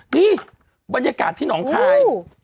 นี่บรรยากาศที่หนองคาย